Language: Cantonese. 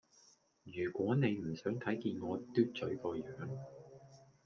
如果你唔想睇見我嘟嘴個樣